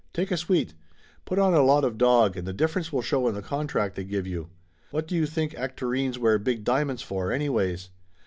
Take a suite. Put on a lot of dog, and the difference will show in the contract they give you. What do you think actorines wear big diamonds for, anyways?"